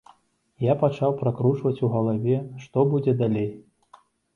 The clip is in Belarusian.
Я пачаў пракручваць у галаве, што будзе далей.